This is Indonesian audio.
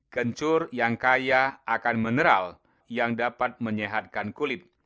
kencur yang kaya akan mineral yang dapat menyehatkan kulit